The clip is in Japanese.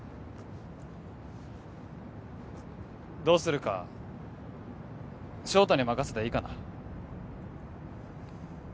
どうするか翔太に任せていいかな？